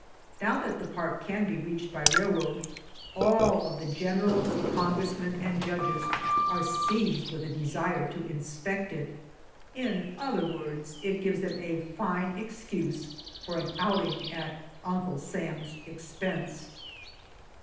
Now that the park can be reached by railroad, all of the generals, congressmen, and judges are seized with a desire to inspect it in other words, it gives them a fine excuse for an outing at Uncle Sam's expense.